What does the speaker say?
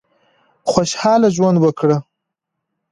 خوشاله ژوند وکړه.